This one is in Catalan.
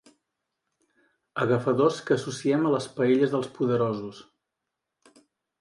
Agafadors que associem a les paelles dels poderosos.